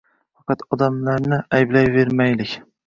Faqat odamlarni ayblayvermaylik.